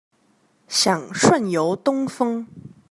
想順遊東峰